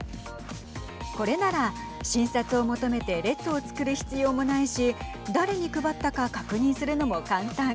これなら新札を求めて列を作る必要もないし誰に配ったか確認するのも簡単。